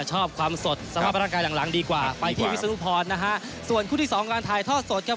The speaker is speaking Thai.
ชอบความสดสภาพร่างกายหลังหลังดีกว่าไปที่วิศนุพรนะฮะส่วนคู่ที่สองการถ่ายทอดสดครับ